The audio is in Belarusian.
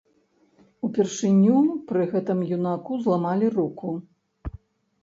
Упершыню пры гэтым юнаку зламалі руку.